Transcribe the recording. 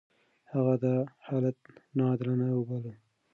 هغه دا حالت ناعادلانه وباله.